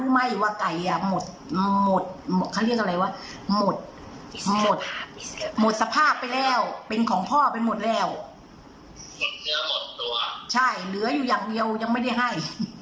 หมดสภาพไปแล้วเป็นของพ่อไปหมดแล้วใช่เหลืออยู่อย่างเดียวยังไม่ได้ให้